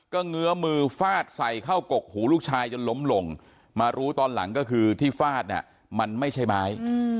เงื้อมือฟาดใส่เข้ากกหูลูกชายจนล้มลงมารู้ตอนหลังก็คือที่ฟาดเนี่ยมันไม่ใช่ไม้